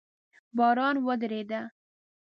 باران ودرېده